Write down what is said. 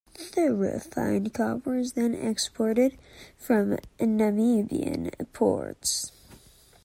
The refined copper is then exported from Namibian ports.